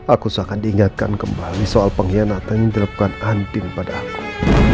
aku seakan diingatkan kembali soal pengkhianatan yang dilakukan andin pada aku